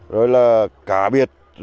rồi là cả biệt